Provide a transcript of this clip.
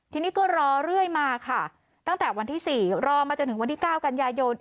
ทีนี้ก็รอเรื่อยมาค่ะตั้งแต่วันที่๔รอมาจนถึงวันที่๙กันยายน